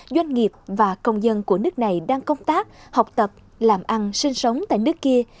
doanh nghiệp và công dân của nước này đang công tác học tập làm ăn sinh sống tại nước kia